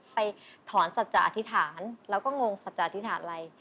ไปถอนศัตริย์อธิษฐานแล้วก็งงศัตริย์อธิษฐานอะไร